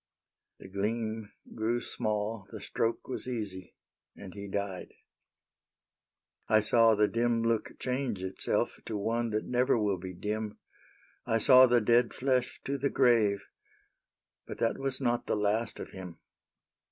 — The gleam grew small, The stroke was easy, and he died. I saw the dim look change itself To one that never will be dim ; I saw the dead flesh to the grave, But that was not the last of him.